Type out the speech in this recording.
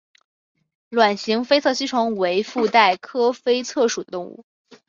卵形菲策吸虫为腹袋科菲策属的动物。